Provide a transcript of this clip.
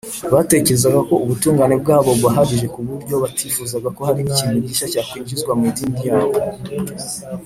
batekerezaga ko ubutungane bwabo bubahagije ku buryo batifuzaga ko hari ikintu gishya cyakwinjizwa mu idini yabo